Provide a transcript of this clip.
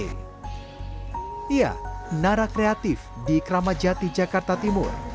iya nara kreatif di keramajati jakarta timur